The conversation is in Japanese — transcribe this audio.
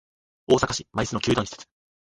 大阪市・舞洲の球団施設